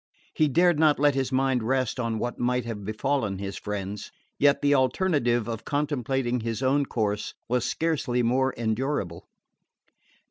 He dared not let his mind rest on what might have befallen his friends; yet the alternative of contemplating his own course was scarcely more endurable.